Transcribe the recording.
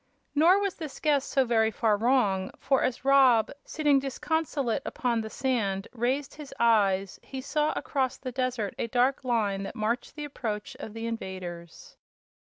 Nor was this guess so very far wrong; for as Rob, sitting disconsolate upon the sand, raised his eyes, he saw across the desert a dark line that marked the approach of the invaders.